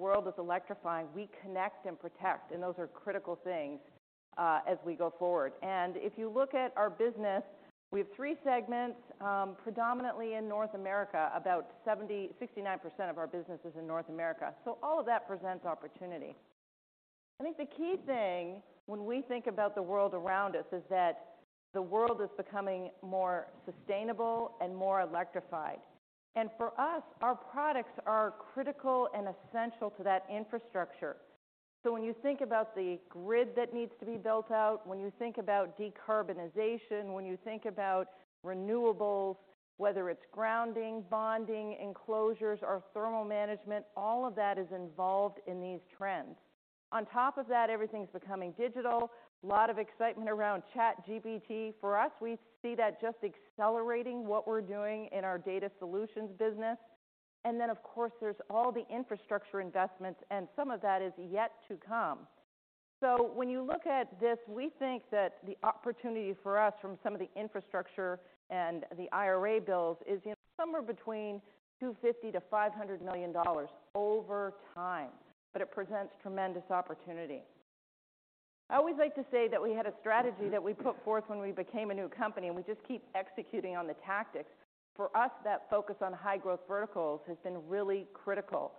The world is electrifying. We connect and protect, those are critical things as we go forward. If you look at our business, we have three segments predominantly in North America. About 69% of our business is in North America, all of that presents opportunity. I think the key thing when we think about the world around us is that the world is becoming more sustainable and more electrified. For us, our products are critical and essential to that infrastructure. When you think about the grid that needs to be built out, when you think about decarbonization, when you think about renewables, whether it's grounding, bonding, Enclosures or Thermal Management, all of that is involved in these trends. Everything's becoming digital. Lot of excitement around ChatGPT. For us, we see that just accelerating what we're doing in our Data Solutions business. Then of course, there's all the infrastructure investments, and some of that is yet to come. When you look at this, we think that the opportunity for us from some of the infrastructure and the IRA bills is, you know, somewhere between $250 million-$500 million over time, but it presents tremendous opportunity. I always like to say that we had a strategy that we put forth when we became a new company, and we just keep executing on the tactics. For us, that focus on high growth verticals has been really critical.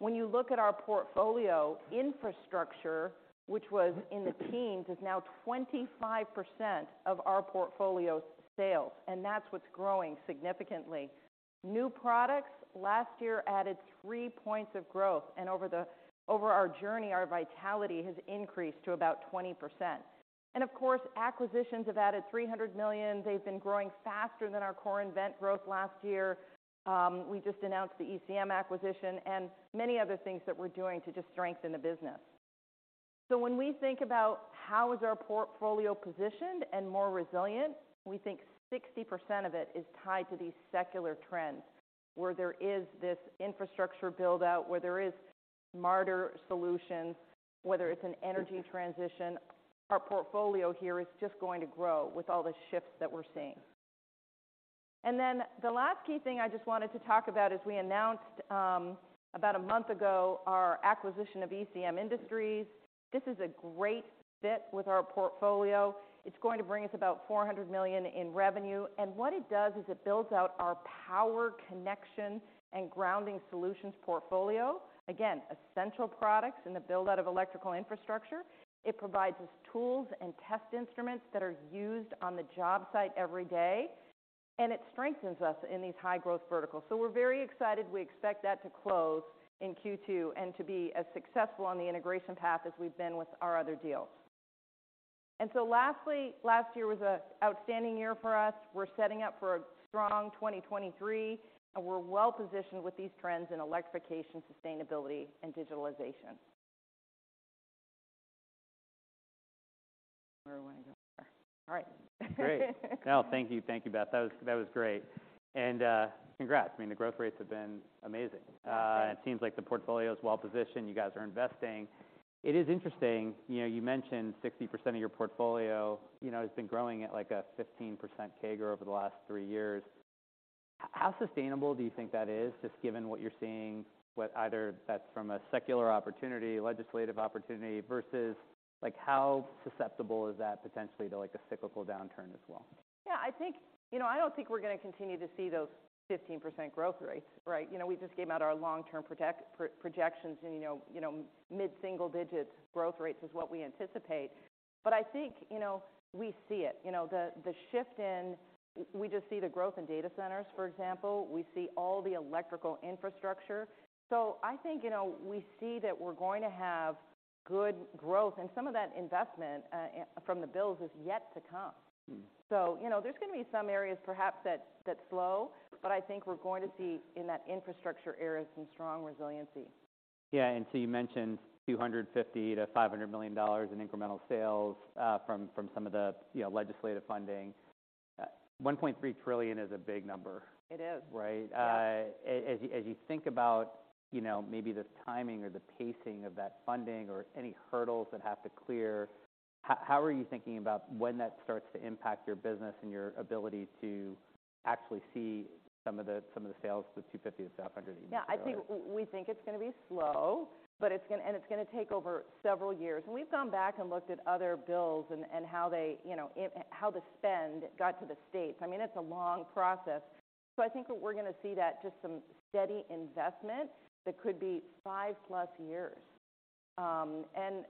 When you look at our portfolio, infrastructure, which was in the teens, is now 25% of our portfolio's sales, and that's what's growing significantly. New products last year added 3 points of growth, over our journey, our vitality has increased to about 20%. Of course, acquisitions have added $300 million. They've been growing faster than our core nVent growth last year. We just announced the ECM acquisition and many other things that we're doing to just strengthen the business. When we think about how is our portfolio positioned and more resilient, we think 60% of it is tied to these secular trends, where there is this infrastructure build-out, where there is smarter solutions, whether it's an energy transition. Our portfolio here is just going to grow with all the shifts that we're seeing. The last key thing I just wanted to talk about is we announced about a month ago our acquisition of ECM Industries. This is a great fit with our portfolio. It's going to bring us about $400 million in revenue. What it does is it builds out our power connection and grounding solutions portfolio. Again, essential products in the build-out of electrical infrastructure. It provides us tools and test instruments that are used on the job site every day. It strengthens us in these high-growth verticals. We're very excited. We expect that to close in Q2 and to be as successful on the integration path as we've been with our other deals. Lastly, last year was an outstanding year for us. We're setting up for a strong 2023. We're well-positioned with these trends in electrification, sustainability, and digitalization. Where do I go from here? All right. Great. No, thank you. Thank you, Beth. That was great. Congrats. I mean the growth rates have been amazing. Thanks. It seems like the portfolio is well positioned. You guys are investing. It is interesting, you know, you mentioned 60% of your portfolio, you know, has been growing at, like, a 15% CAGR over the last three years. How sustainable do you think that is, just given what you're seeing, what either that's from a secular opportunity, legislative opportunity, versus, like, how susceptible is that potentially to, like, a cyclical downturn as well? Yeah, I think - you know, I don't think we're gonna continue to see those 15% growth rates, right? You know, we just gave out our long-term projections, you know, mid-single digits growth rates is what we anticipate. I think, you know, we see it. You know, the shift in - we just see the growth in data centers, for example. We see all the electrical infrastructure. I think you know, we see that we're going to have good growth, and some of that investment from the bills is yet to come. You know, there's gonna be some areas perhaps that slow, but I think we're going to see in that infrastructure area some strong resiliency. Yeah. You mentioned $250 million-$500 million in incremental sales, from some of the, you know, legislative funding. $1.3 trillion is a big number. It is. Right? Yeah. As you think about, you know maybe the timing or the pacing of that funding or any hurdles that have to clear, how are you thinking about when that starts to impact your business and your ability to actually see some of the sales, the $250 million-$500 million? Yeah. I think we think it's gonna be slow, but it's gonna take over several years. We've gone back and looked at other bills and how they, you know, how the spend got to the states. I mean, it's a long process. I think what we're gonna see that just some steady investment that could be five-plus years. And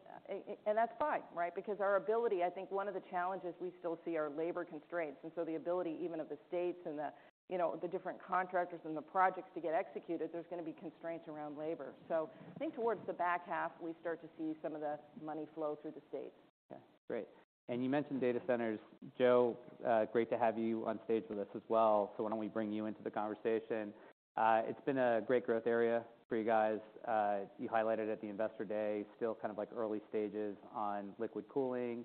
that's fine, right? Because our ability, I think one of the challenges we still see are labor constraints, and so the ability even of the states and the, you know, the different contractors and the projects to get executed, there's gonna be constraints around labor. I think towards the back half we start to see some of the money flow through the states. Okay. Great. You mentioned data centers. Joe, great to have you on stage with us as well, so why don't we bring you into the conversation? It's been a great growth area for you guys. You highlighted at the Investor Day still kind of, like, early stages on liquid cooling.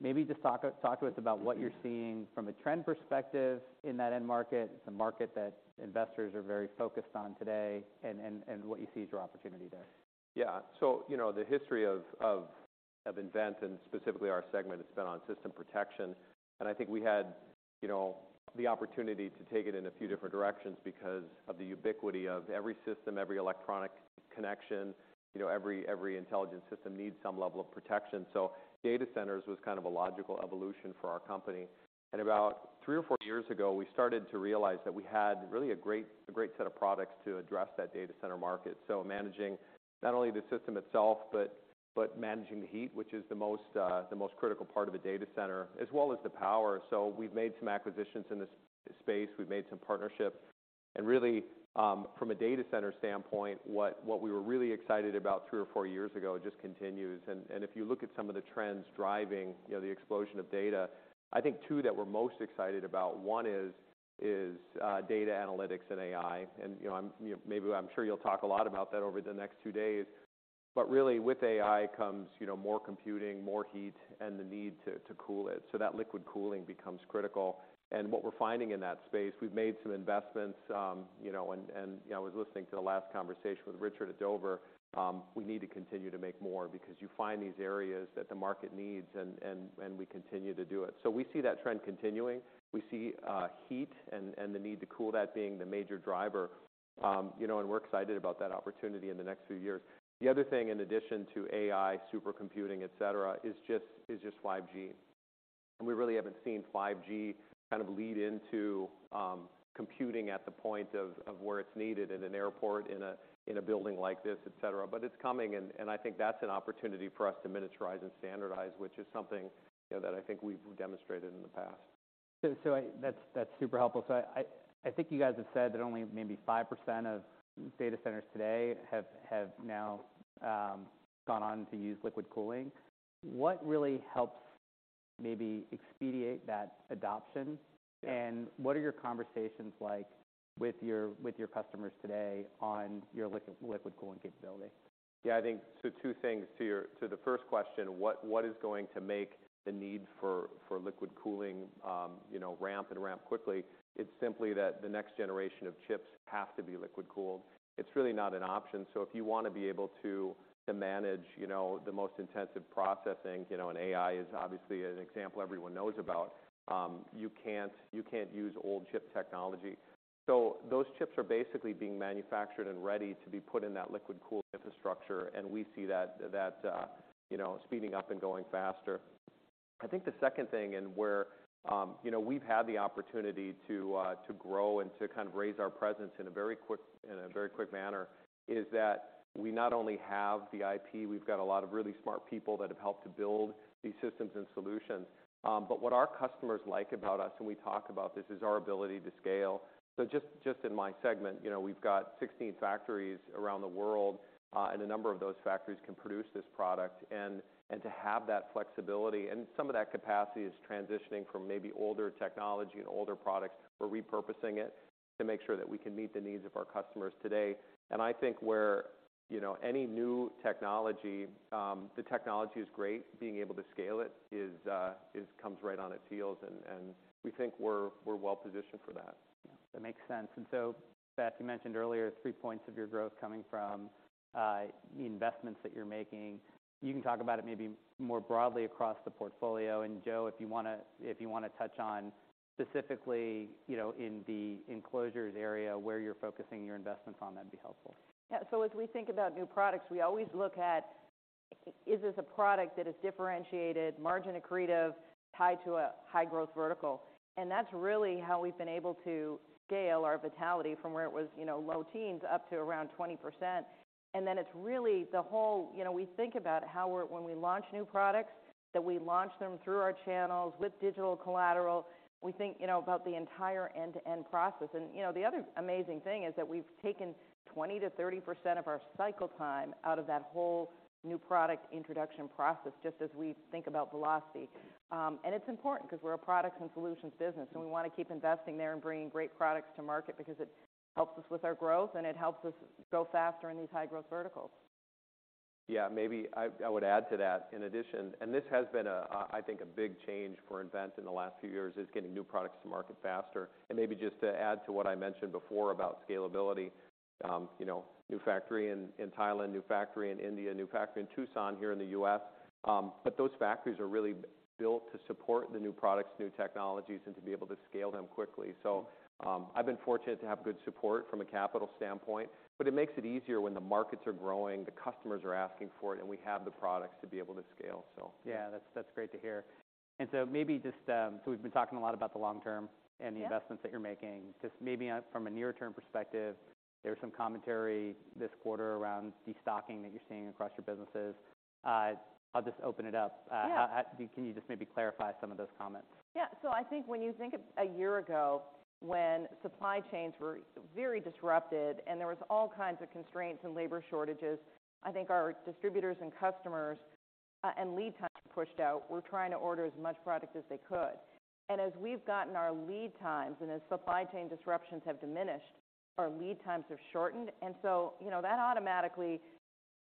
Maybe just talk to us about what you're seeing from a trend perspective in that end market. It's a market that investors are very focused on today, and what you see as your opportunity there. Yeah. You know, the history of nVent and specifically our segment has been on system protection. I think we had, you know, the opportunity to take it in a few different directions because of the ubiquity of every system, every electronic connection, you know, every intelligent system needs some level of protection. Data centers was kind of a logical evolution for our company. About three or four years ago, we started to realize that we had really a great set of products to address that data center market. Managing not only the system itself, but managing the heat, which is the most critical part of a data center, as well as the power. We've made some acquisitions in this space. We've made some partnerships. Really, from a data center standpoint, what we were really excited about 3 or 4 years ago just continues. If you look at some of the trends driving, you know, the explosion of data, I think two that we're most excited about, one is data analytics and AI. You know, maybe I'm sure you'll talk a lot about that over the next 2 days. Really with AI comes, you know, more computing, more heat, and the need to cool it. That liquid cooling becomes critical. What we're finding in that space, we've made some investments, you know, and you know, I was listening to the last conversation with Richard at Dover, we need to continue to make more because you find these areas that the market needs, and we continue to do it. We see that trend continuing. We see heat and the need to cool that being the major driver, you know, and we're excited about that opportunity in the next few years. The other thing in addition to AI, supercomputing, et cetera, is just 5G. We really haven't seen 5G kind of lead into computing at the point of where it's needed in an airport, in a building like this, et cetera. It's coming and I think that's an opportunity for us to miniaturize and standardize, which is something, you know, that I think we've demonstrated in the past. That's super helpful. I think you guys have said that only maybe 5% of data centers today have now gone on to use liquid cooling. What really helps maybe expediate that adoption? What are your conversations like with your customers today on your liquid cooling capability? I think two things. To your first question, what is going to make the need for liquid cooling, you know, ramp and ramp quickly? It's simply that the next generation of chips have to be liquid cooled. It's really not an option. If you wanna be able to manage, you know, the most intensive processing, you know, and AI is obviously an example everyone knows about, you can't, you can't use old chip technology. Those chips are basically being manufactured and ready to be put in that liquid cooled infrastructure and we see that, you know, speeding up and going faster. I think the second thing, and where, you know, we've had the opportunity to grow and to kind of raise our presence in a very quick manner, is that we not only have the IP, we've got a lot of really smart people that have helped to build these systems and solutions. What our customers like about us, and we talk about this, is our ability to scale. Just in my segment, you know, we've got 16 factories around the world, and a number of those factories can produce this product. To have that flexibility, and some of that capacity is transitioning from maybe older technology and older products. We're repurposing it to make sure that we can meet the needs of our customers today. I think where, you know, any new technology, the technology is great, being able to scale it comes right on its heels and we think we're well positioned for that. That makes sense. Beth, you mentioned earlier three points of your growth coming from, the investments that you're making. You can talk about it maybe more broadly across the portfolio. Joe, if you wanna touch on specifically, you know, in the Enclosures area where you're focusing your investments on, that'd be helpful. As we think about new products, we always look at, is this a product that is differentiated, margin accretive, tied to a high growth vertical? That's really how we've been able to scale our Vitality from where it was, you know, low teens up to around 20%. It's really the whole, you know, when we launch new products, that we launch them through our channels with digital collateral. We think, you know, about the entire end-to-end process. The other amazing thing is that we've taken 20%-30% of our cycle time out of that whole new product introduction process, just as we think about velocity. It's important 'cause we're a products and solutions business, and we wanna keep investing there and bringing great products to market because it helps us with our growth, and it helps us grow faster in these high-growth verticals. Yeah. Maybe I would add to that in addition, this has been I think a big change for nVent in the last few years, is getting new products to market faster. Maybe just to add to what I mentioned before about scalability, you know, new factory in Thailand, new factory in India, a new factory in Tucson here in the US, those factories are really built to support the new products, new technologies, and to be able to scale them quickly. I've been fortunate to have good support from a capital standpoint, it makes it easier when the markets are growing, the customers are asking for it, and we have the products to be able to scale. Yeah, that's great to hear. Maybe just - so we've been talking a lot about the long term and the investments that you're making. Just maybe on, from a near-term perspective, there's some commentary this quarter around destocking that you're seeing across your businesses. I'll just open it up. Yeah. Can you just maybe clarify some of those comments? Yeah. I think when you think of a year ago when supply chains were very disrupted, and there was all kinds of constraints and labor shortages, I think our distributors and customers, and lead times pushed out were trying to order as much product as they could. As we've gotten our lead times and as supply chain disruptions have diminished, our lead times have shortened. You know, that automatically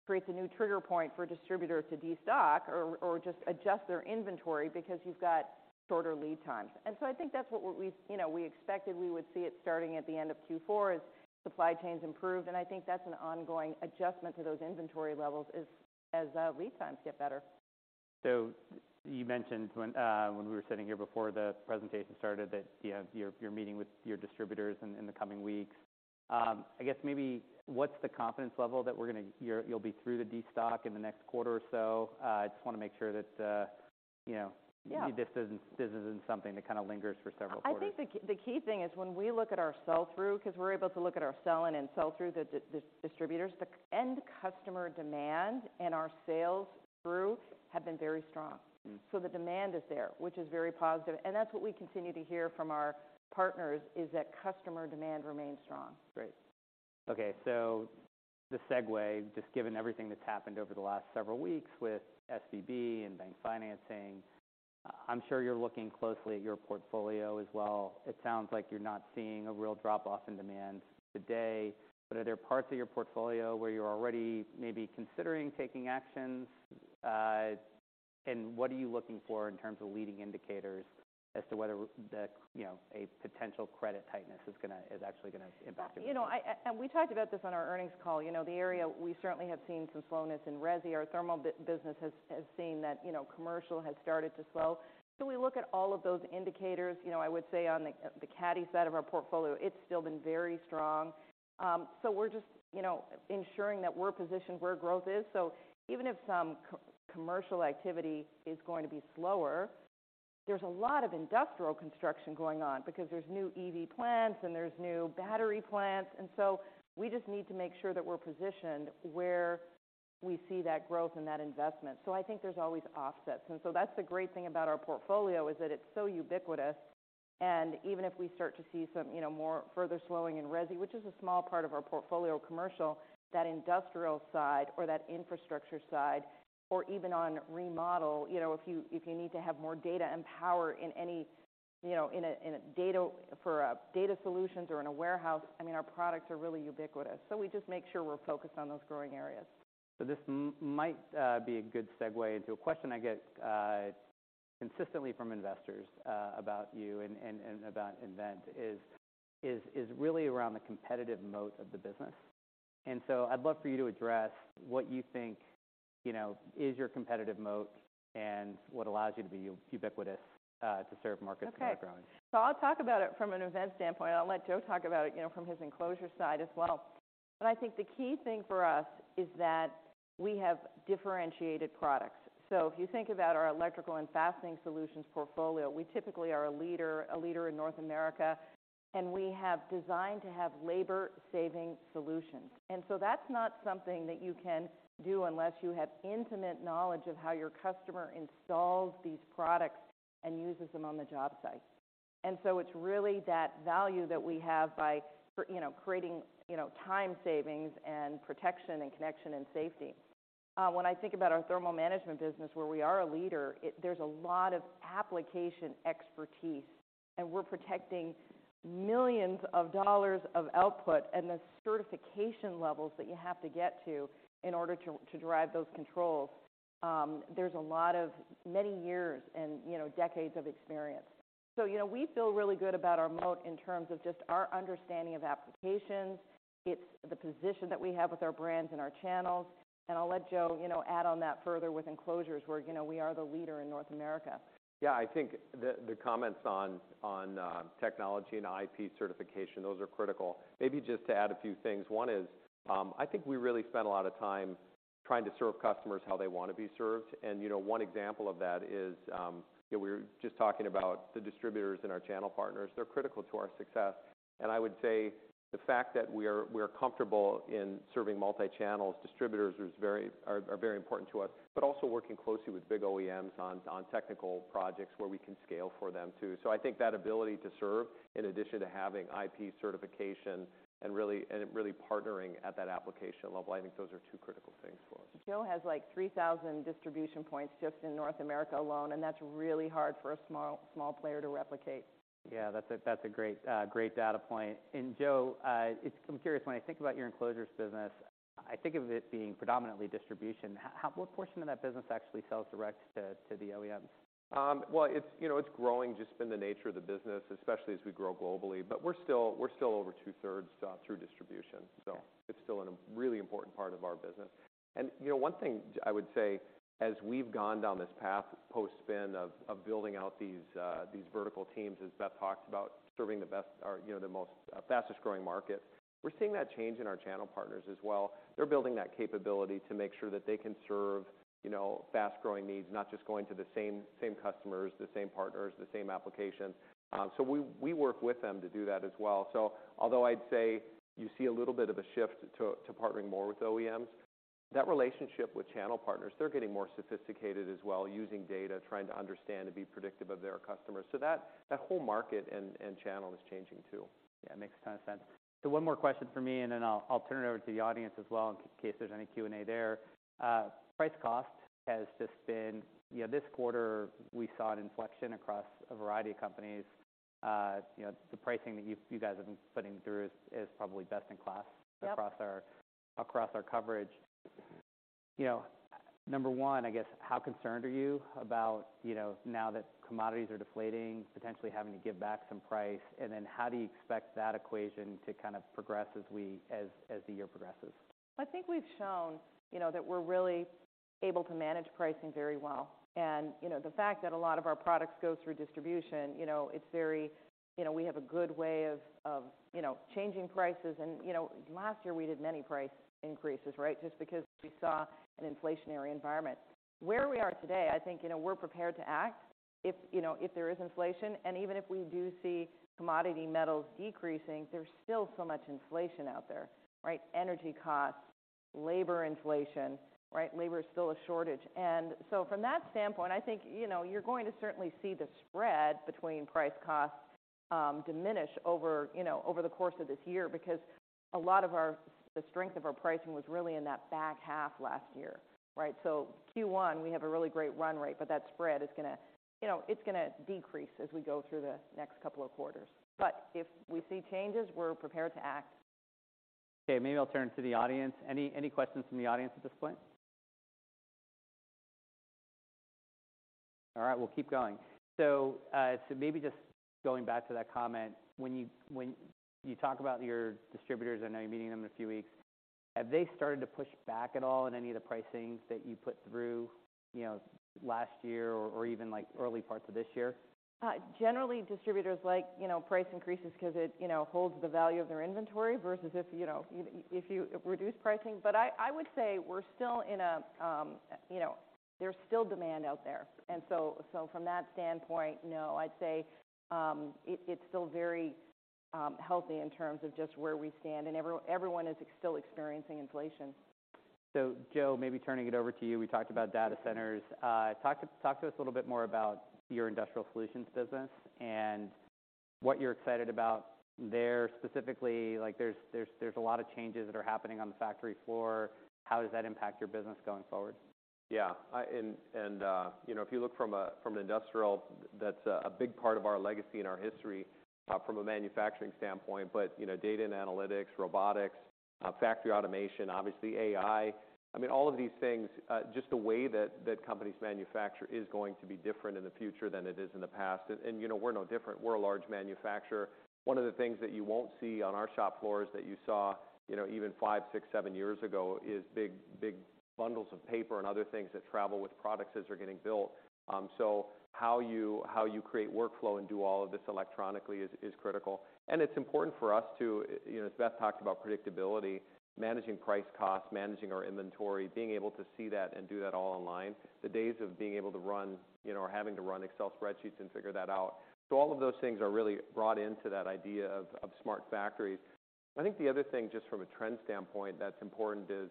creates a new trigger point for a distributor to destock or just adjust their inventory because you've got shorter lead times. I think that's what we, you know, we expected we would see it starting at the end of Q4 as supply chains improved. I think that's an ongoing adjustment to those inventory levels is, as, lead times get better. You mentioned when we were sitting here before the presentation started that, you know, you're meeting with your distributors in the coming weeks. I guess maybe what's the confidence level that you'll be through the destock in the next quarter or so? I just wanna make sure that, you know this isn't something that kind of lingers for several quarters. I think the key thing is when we look at our sell-through, 'cause we're able to look at our sell-in and sell-through the distributors, the end customer demand and our sales through have been very strong. The demand is there, which is very positive. That's what we continue to hear from our partners, is that customer demand remains strong. Great. The segue, just given everything that's happened over the last several weeks with SVB and bank financing, I'm sure you're looking closely at your portfolio as well. It sounds like you're not seeing a real drop-off in demand today, but are there parts of your portfolio where you're already maybe considering taking actions? What are you looking for in terms of leading indicators as to whether the, you know, a potential credit tightness is actually gonna impact your business? You know, we talked about this on our earnings call. You know, the area, we certainly have seen some slowness in resi. Our Thermal business has seen that, you know, commercial has started to slow. We look at all of those indicators. You know, I would say on the CADDY side of our portfolio, it's still been very strong. We're just, you know, ensuring that we're positioned where growth is. Even if some commercial activity is going to be slower, there's a lot of industrial construction going on because there's new EV plants and there's new battery plants, and so we just need to make sure that we're positioned where we see that growth and that investment. I think there's always offsets. That's the great thing about our portfolio is that it's so ubiquitous, and even if we start to see some, you know, more further slowing in resi, which is a small part of our portfolio commercial, that industrial side or that infrastructure side, or even on remodel, you know, if you, if you need to have more data and power in any, you know, in a for Data Solutions or in a warehouse, I mean our products are really ubiquitous. We just make sure we're focused on those growing areas. This might be a good segue into a question I get, consistently from investors, about you and about nVent is really around the competitive moat of the business. I'd love for you to address what you think, you know, is your competitive moat and what allows you to be ubiquitous to serve markets that are growing. Okay. I'll talk about it from an nVent standpoint and I'll let Joe talk about it, you know, from his Enclosures side as well. I think the key thing for us is that we have differentiated products. If you think about our Electrical & Fastening Solutions portfolio, we typically are a leader in North America, and we have designed to have labor-saving solutions. That's not something that you can do unless you have intimate knowledge of how your customer installs these products and uses them on the job site. It's really that value that we have by, you know, creating, you know, time savings and protection and connection and safety. When I think about our Thermal Management business, where we are a leader, there's a lot of application expertise, and we're protecting millions of dollars of output and the certification levels that you have to get to in order to drive those controls. There's a lot of many years and you know, decades of experience. you know, we feel really good about our moat in terms of just our understanding of applications, it's the position that we have with our brands and our channels, and I'll let Joe, you know add on that further with Enclosures, where, you know, we are the leader in North America. Yeah. I think the comments on technology and IP certification, those are critical. Maybe just to add a few things. One is I think we really spend a lot of time trying to serve customers how they wanna be served. You know, one example of that is, you know, we were just talking about the distributors and our channel partners. They're critical to our success. I would say the fact that we're comfortable in serving multi-channels distributors are very important to us, but also working closely with big OEMs on technical projects where we can scale for them too. I think that ability to serve in addition to having IP certification and really partnering at that application level, I think those are two critical things for us. Joe has, like, 3,000 distribution points just in North America alone. That's really hard for a small player to replicate. Yeah. That's a great data point. Joe I'm curious, when I think about your Enclosures business, I think of it being predominantly distribution. What portion of that business actually sells direct to the OEMs? Well you know, it's growing just in the nature of the business, especially as we grow globally. We're still over two-thirds through distribution. Okay. It's still a really important part of our business. You know, one thing I would say as we've gone down this path post-spin of building out these vertical teams, as Beth talked about, serving the best or, you know, the most fastest-growing market, we're seeing that change in our channel partners as well. They're building that capability to make sure that they can serve, you know, fast-growing needs, not just going to the same customers, the same partners, the same applications. We work with them to do that as well. Although I'd say you see a little bit of a shift to partnering more with OEMs, that relationship with channel partners, they're getting more sophisticated as well, using data, trying to understand and be predictive of their customers. That whole market and channel is changing too. Yeah, makes a ton of sense. One more question from me, and then I'll turn it over to the audience as well in case there's any Q&A there. Price cost has just been. - you know, this quarter we saw an inflection across a variety of companies. You know, the pricing that you guys have been putting through is probably best in class across our coverage. You know, number one, I guess, how concerned are you about, you know, now that commodities are deflating, potentially having to give back some price, then how do you expect that equation to kind of progress as the year progresses? I think we've shown, you know, that we're really able to manage pricing very well. The fact that a lot of our products go through distribution, we have a good way of, you know, changing prices. Last year we did many price increases, right? Just because we saw an inflationary environment. Where we are today, I think, you know, we're prepared to act if, you know, if there is inflation, and even if we do see commodity metals decreasing, there's still so much inflation out there, right? Energy costs, labor inflation, right? Labor is still a shortage. From that standpoint, I think you know, you're going to certainly see the spread between price costs, diminish over, you know, over the course of this year because a lot of the strength of our pricing was really in that back half last year, right? Q1, we have a really great run rate, but that spread is gonna, you know, it's gonna decrease as we go through the next couple of quarters. If we see changes, we're prepared to act. Maybe I'll turn to the audience. Any questions from the audience at this point? We'll keep going. Maybe just going back to that comment, when you talk about your distributors, I know you're meeting them in a few weeks, have they started to push back at all in any of the pricing that you put through, you know, last year or even like early parts of this year? Generally distributors like, you know, price increases 'cause it, you know, holds the value of their inventory versus if, you know, if reduced pricing. I would say we're still in a - you know, there's still demand out there. From that standpoint, no. I'd say, it's still very healthy in terms of just where we stand, and everyone is still experiencing inflation. Joe, maybe turning it over to you. We talked about data centers. talk to us a little bit more about your industrial solutions business and what you're excited about there specifically. Like there's a lot of changes that are happening on the factory floor. How does that impact your business going forward? Yeah and you know, if you look from an industrial, that's a big part of our legacy and our history, from a manufacturing standpoint. you know, data and analytics, robotics, factory automation, obviously AI. I mean, all of these things, just the way that companies manufacture is going to be different in the future than it is in the past. and you know, we're no different. We're a large manufacturer. One of the things that you won't see on our shop floors that you saw, you know, even five, six, seven years ago is big, big bundles of paper and other things that travel with products as they're getting built. so how you create workflow and do all of this electronically is critical. It's important for us to, you know, as Beth talked about predictability, managing price costs, managing our inventory, being able to see that and do that all online. The days of being able to run, you know, or having to run Excel spreadsheets and figure that out. All of those things are really brought into that idea of smart factories. I think the other thing, just from a trend standpoint that's important is,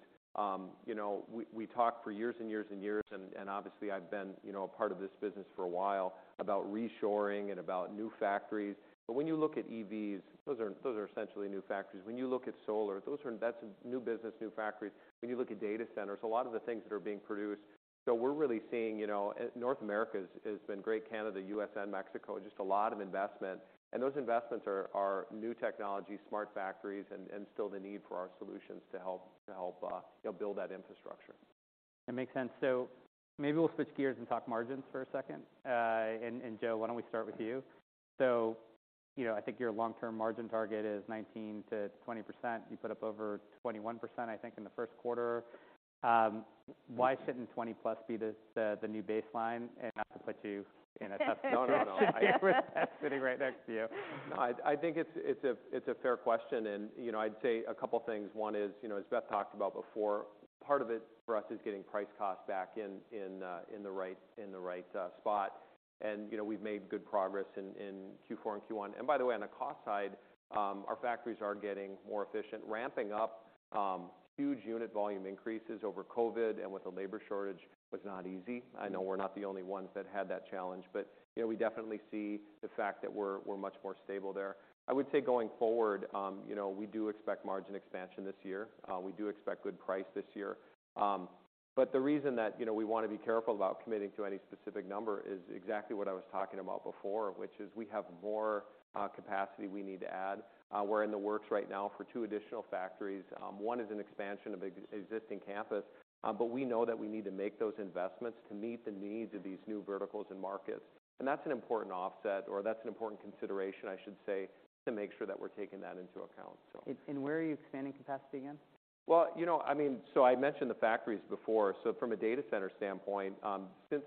you know, we talked for years and years and years, and obviously I've been, you know, a part of this business for a while, about reshoring and about new factories. When you look at EVs, those are essentially new factories. When you look at solar, that's new business, new factories. When you look at data centers, a lot of the things that are being produced. We're really seeing, you know, North America has been great, Canada, U.S., and Mexico, just a lot of investment. Those investments are new technology, smart factories, and still the need for our solutions to help, you know, build that infrastructure. That makes sense. Maybe we'll switch gears and talk margins for a second. Joe, why don't we start with you. You know, I think your long-term margin target is 19%-20%. You put up over 21%, I think, in the first quarter. Why shouldn't 20+ be the new baseline? No, no. With Beth sitting right next to you. No, I think it's a fair question. You know, I'd say a couple things. One is, you know, as Beth talked about before, part of it for us is getting price cost back in the right spot. You know, we've made good progress in Q4 and Q1. By the way, on the cost side, our factories are getting more efficient. Ramping up, huge unit volume increases over COVID and with the labor shortage was not easy. I know we're not the only ones that had that challenge. You know, we definitely see the fact that we're much more stable there. I would say going forward, you know we do expect margin expansion this year. We do expect good price this year. The reason that, you know, we wanna be careful about committing to any specific number is exactly what I was talking about before, which is we have more capacity we need to add. We're in the works right now for two additional factories. One is an expansion of existing campus, but we know that we need to make those investments to meet the needs of these new verticals and markets. That's an important offset, or that's an important consideration, I should say, to make sure that we're taking that into account. Where are you expanding capacity again? You know I mean, I mentioned the factories before. From a data center standpoint, since,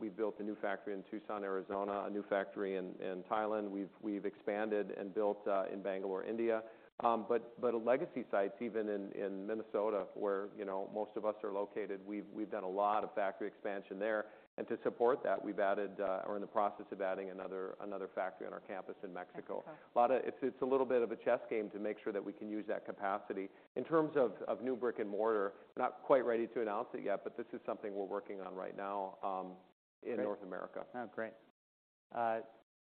we've built a new factory in Tucson, Arizona, a new factory in Thailand. We've expanded and built in Bangalore, India. Legacy sites, even in Minnesota, where, you know, most of us are located, we've done a lot of factory expansion there. To support that, we've added or in the process of adding another factory on our campus in Mexico. Mexico. It's a little bit of a chess game to make sure that we can use that capacity. In terms of new brick and mortar, not quite ready to announce it yet, but this is something we're working on right now in North America. Oh, great.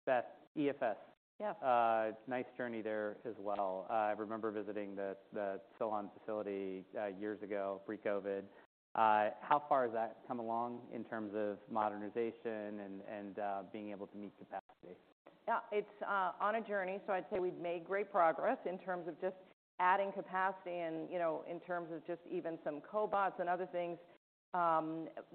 Beth, EFS. Yeah. Nice journey there as well. I remember visiting the Solon facility, years ago, pre-COVID. How far has that come along in terms of modernization and being able to meet capacity? Yeah, it's on a journey so I'd say we've made great progress in terms of just adding capacity and, you know, in terms of just even some cobots and other things.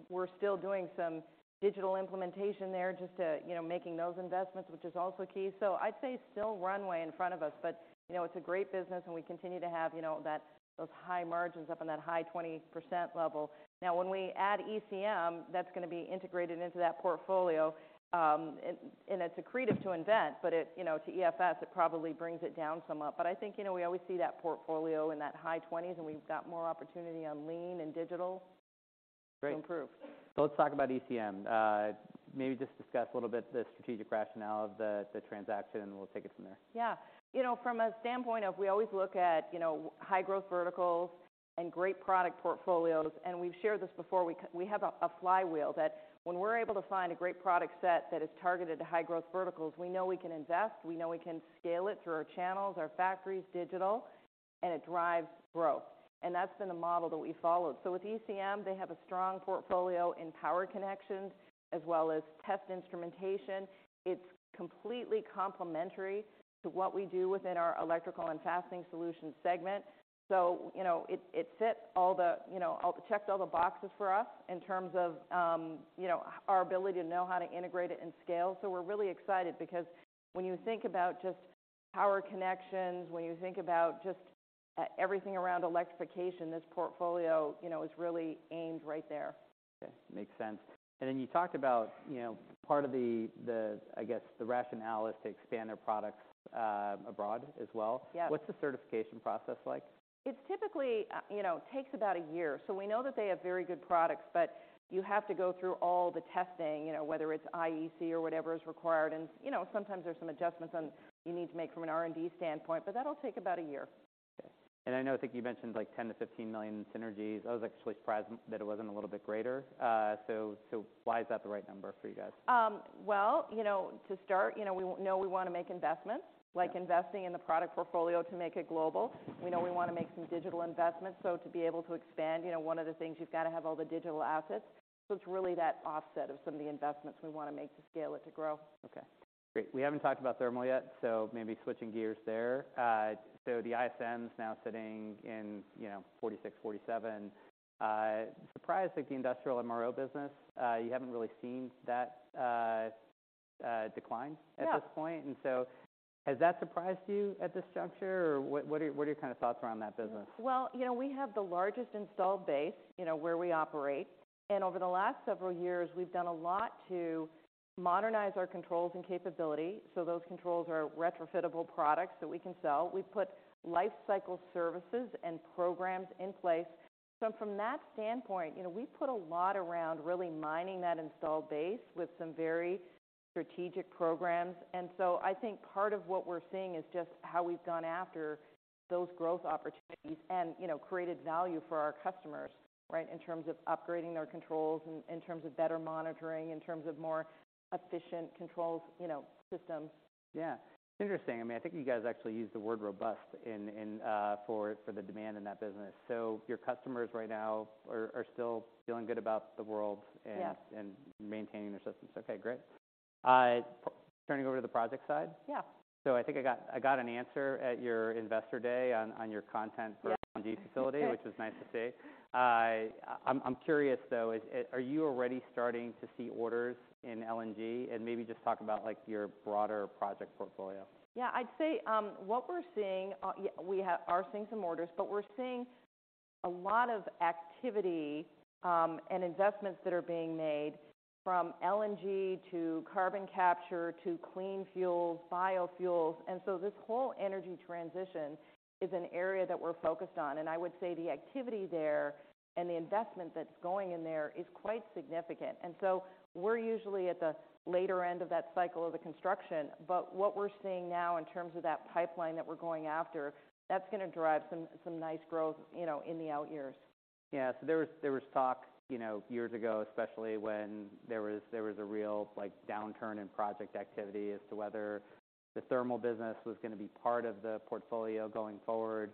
We're still doing some digital implementation there just to, you know, making those investments, which is also key. So I'd say still runway in front of us, but, you know, it's a great business and we continue to have, you know, those high margins up in that high 20% level. Now, when we add ECM, that's gonna be integrated into that portfolio, and it's accretive to nVent, but you know, to EFS it probably brings it down somewhat. But I think, you know, we always see that portfolio in that high 20s, and we've got more opportunity on lean and digital to improve. Let's talk about ECM. Maybe just discuss a little bit the strategic rationale of the transaction, and we'll take it from there. Yeah. You know, from a standpoint of we always look at, you know, high growth verticals and great product portfolios, and we've shared this before. We have a flywheel that when we're able to find a great product set that is targeted to high growth verticals, we know we can invest, we know we can scale it through our channels, our factories, digital, and it drives growth. That's been a model that we followed. With ECM, they have a strong portfolio in Power Connections as well as test instrumentation. It's completely complementary to what we do within our Electrical & Fastening Solutions segment. You know, it fits all the - you know, it checked all the boxes for us in terms of, you know, our ability to know how to integrate it and scale. We're really excited because when you think about just power connections, when you think about just e-everything around electrification, this portfolio, you know, is really aimed right there. Okay. Makes sense. You talked about, you know, part of the, I guess, the rationale is to expand their products abroad as well. What's the certification process like? It typically, you know, takes about a year. We know that they have very good products, but you have to go through all the testing, you know, whether it's IEC or whatever is required. You know, sometimes there's some adjustments on you need to make from an R&D standpoint, but that'll take about a year. Okay. I know, I think you mentioned like $10 million-$15 million synergies. I was actually surprised that it wasn't a little bit greater. Why is that the right number for you guys? Well, you know, to start, you know, we know we wanna make investments like investing in the product portfolio to make it global. We know we wanna make some digital investments. To be able to expand, you know, one of the things, you've got to have all the digital assets. It's really that offset of some of the investments we wanna make to scale it to grow. Okay. Great. We haven't talked about thermal yet, so maybe switching gears there. The ISM's now sitting in, you know, 46, 47. Surprised that the industrial MRO business, you haven't really seen that decline at this point. Has that surprised you at this juncture? What are your kind of thoughts around that business? Well, you know we have the largest installed base, you know, where we operate. Over the last several years, we've done a lot to modernize our controls and capability. Those controls are retrofittable products that we can sell. We've put Life Cycle Services and programs in place. From that standpoint, you know, we've put a lot around really mining that installed base with some very strategic programs. I think part of what we're seeing is just how we've gone after those growth opportunities and, you know, created value for our customers, right? In terms of upgrading their controls, in terms of better monitoring, in terms of more efficient controls, you know, systems. Yeah. Interesting. I mean I think you guys actually used the word robust in for the demand in that business. Your customers right now are still feeling good about the world and maintaining their systems. Okay, great. Turning over to the project side. Yeah. I think I got an answer at your Investor Day on your content. Yes. LNG facility which is nice to see. I'm curious though, are you already starting to see orders in LNG? Maybe just talk about like your broader project portfolio. Yeah. I'd say, what we are seeing some orders, but we're seeing a lot of activity, investments that are being made from LNG to carbon capture to clean fuels, biofuels. This whole energy transition is an area that we're focused on. I would say the activity there and the investment that's going in there is quite significant. We're usually at the later end of that cycle of the construction. What we're seeing now in terms of that pipeline that we're going after, that's gonna drive some nice growth, you know, in the out years. Yeah. There was talk, you know years ago, especially when there was a real, downturn in project activity as to whether the Thermal business was going to be part of the portfolio going forward.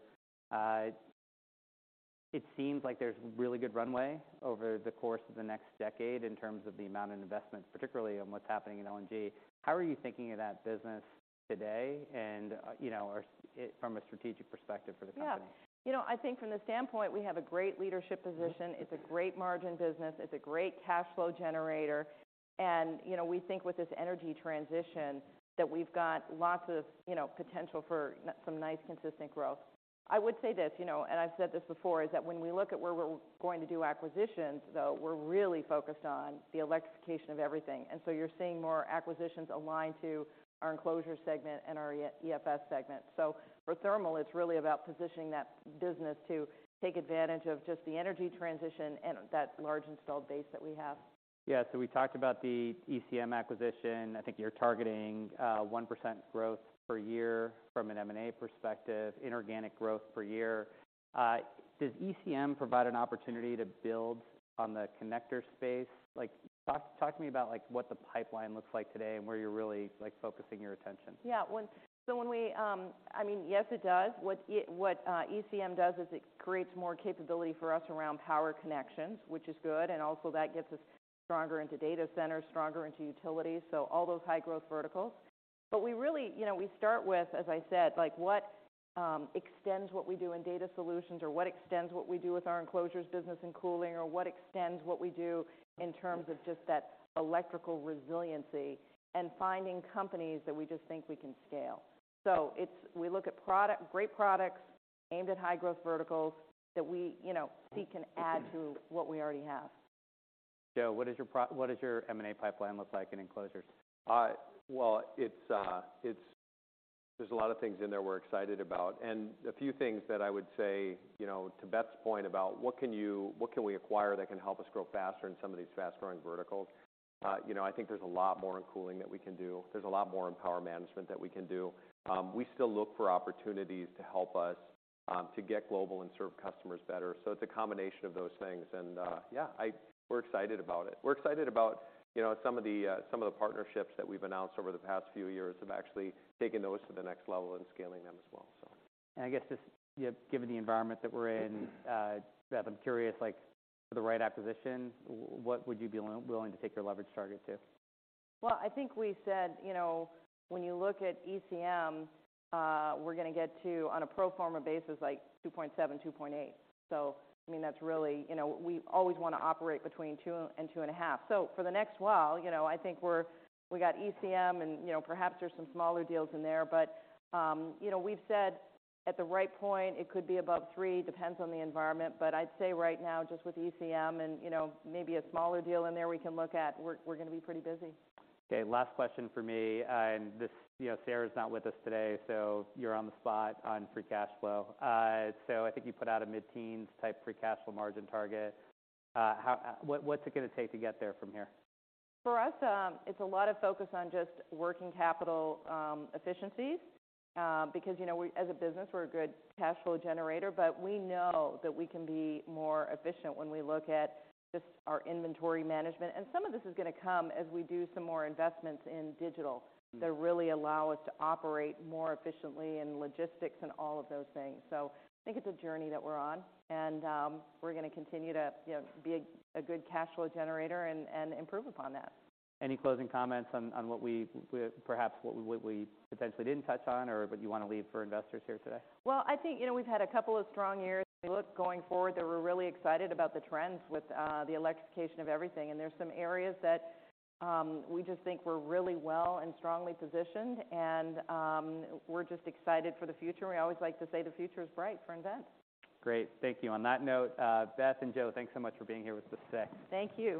It seems like there's really good runway over the course of the next decade in terms of the amount of investments, particularly on what's happening in LNG. How are you thinking of that business today and, you know, or it from a strategic perspective for the company? Yeah. You know, I think from the standpoint, we have a great leadership position. It's a great margin business. It's a great cash flow generator. You know, we think with this energy transition that we've got lots of, you know, potential for some nice consistent growth. I would say this you know, and I've said this before, is that when we look at where we're going to do acquisitions though, we're really focused on the electrification of everything. You're seeing more acquisitions aligned to our Enclosures segment and our EFS segment. For Thermal, it's really about positioning that business to take advantage of just the energy transition and that large installed base that we have. Yeah. We talked about the ECM acquisition. I think you're targeting 1% growth per year from an M&A perspective, inorganic growth per year. Does ECM provide an opportunity to build on the connector space? Like, talk to me about, like, what the pipeline looks like today and where you're really, like, focusing your attention. Yeah. I mean, yes, it does. What ECM does is it creates more capability for us around power connections, which is good, and also that gets us stronger into data centers, stronger into utilities, so all those high-growth verticals. We really, you know, we start with, as I said, like what extends what we do in Data Solutions or what extends what we do with our Enclosures business and cooling or what extends what we do in terms of just that electrical resiliency and finding companies that we just think we can scale. We look at product, great products aimed at high-growth verticals that we, you know, think can add to what we already have. Joe, what does your M&A pipeline look like in Enclosures? Well, there's a lot of things in there we're excited about. A few things that I would say, you know, to Beth's point about what can we acquire that can help us grow faster in some of these fast-growing verticals. You know, I think there's a lot more in cooling that we can do. There's a lot more in power management that we can do. We still look for opportunities to help us to get global and serve customers better. It's a combination of those things. Yeah, we're excited about it. We're excited about, you know, some of the some of the partnerships that we've announced over the past few years, have actually taken those to the next level and scaling them as well. I guess just, yeah, given the environment that we're in Beth, I'm curious, like for the right acquisition, what would you be willing to take your leverage target to? Well, I think we said, you know, when you look at ECM, we're gonna get to, on a pro forma basis, like 2.7, 2.8. I mean that's really - you know, we always wanna operate between 2 and 2.5. For the next while, you know, I think we got ECM and, you know, perhaps there's some smaller deals in there. You know, we've said at the right point, it could be above 3, depends on the environment. I'd say right now, just with ECM and, you know, maybe a smaller deal in there we can look at, we're gonna be pretty busy. Okay, last question from me, this, you know, Sarah's not with us today, so you're on the spot on free cash flow. I think you put out a mid-teens type free cash flow margin target. What's it gonna take to get there from here? For us, it's a lot of focus on just working capital efficiencies, because, you know, as a business, we're a good cash flow generator, but we know that we can be more efficient when we look at just our inventory management. Some of this is gonna come as we do some more investments in digital that really allow us to operate more efficiently in logistics and all of those things. I think it's a journey that we're on, and, we're gonna continue to, you know, be a good cash flow generator and improve upon that. Any closing comments on what we perhaps what we potentially didn't touch on or what you wanna leave for investors here today? Well I think, you know, we've had a couple of strong years, and we look going forward that we're really excited about the trends with the electrification of everything. There's some areas that we just think we're really well and strongly positioned and we're just excited for the future. We always like to say the future is bright for nVent. Great. Thank you. On that note, Beth and Joe, thanks so much for being here with us today. Thank you.